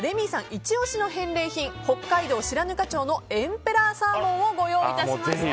イチ押しの返礼品北海道白糠町のエンペラーサーモンをご用意いたしました。